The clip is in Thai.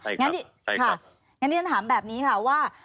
อย่างนี้ฉันถามแบบนี้ค่ะว่า